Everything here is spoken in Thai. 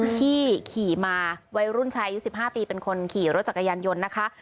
ขี่มาวัยรุ่นชายอายุ๑๕ปีเป็นคนขี่รถจักรยานยนต์นะคะ